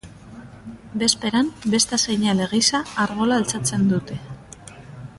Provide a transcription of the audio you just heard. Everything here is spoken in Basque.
Bezperan, besta seinale gisa, arbola altxatzen dute.